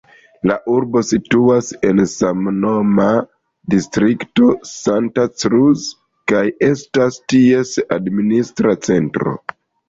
La urbo situas en samnoma distrikto Santa Cruz kaj estas ties administra centro.